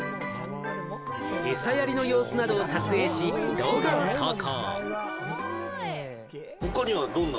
餌やりの様子を撮影し、動画を投稿。